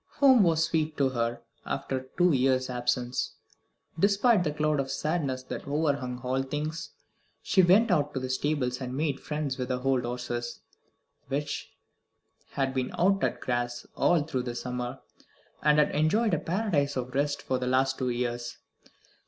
Home was sweet to her after her two years' absence, despite the cloud of sadness that overhung all things. She went out to the stables and made friends with the old horses, which had been out at grass all through the summer, and had enjoyed a paradise of rest for the last two years.